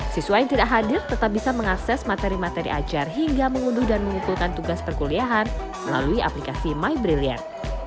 siswa yang tidak hadir tetap bisa mengakses materi materi ajar hingga mengunduh dan mengumpulkan tugas perkuliahan melalui aplikasi mybrilliant